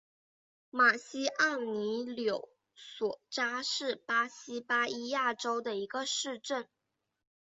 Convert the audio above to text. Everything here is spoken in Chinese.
马西奥尼柳索扎是巴西巴伊亚州的一个市镇。